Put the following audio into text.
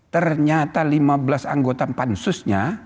ternyata lima belas anggota pansusnya